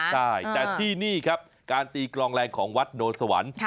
ใช่แต่ที่นี่ครับการตีกลองแรงของวัดโนสวรรค์